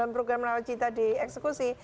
sembilan program rawan cinta dieksekusi